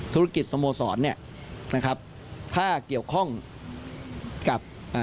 ธุรกิจสโมสรเนี่ยนะครับถ้าเกี่ยวข้องกับอ่า